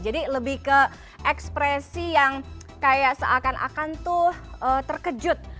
jadi lebih ke ekspresi yang kayak seakan akan tuh terkejut